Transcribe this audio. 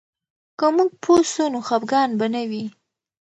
که موږ پوه سو، نو خفګان به نه وي.